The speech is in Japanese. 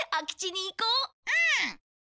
うん！